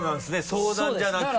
相談じゃなくて。